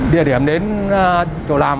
địa điểm đến chỗ làm